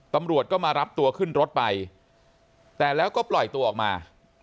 ตำรวจก็มารับตัวขึ้นรถไปแต่แล้วก็ปล่อยตัวออกมา